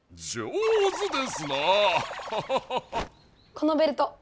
このベルト！